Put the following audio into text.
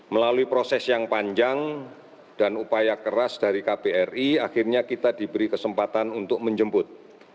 melalui proses yang panjang dan upaya keras dari kbri akhirnya kita diberi kesempatan untuk menjemput